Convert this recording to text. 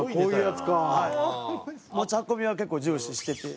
持ち運びは結構重視してて。